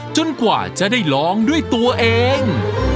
กว่าจะได้ลองด้วยตัวเอง